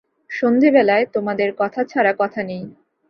সন্ধেবেলায় তোমাদের কথা ছাড়া কথা নেই।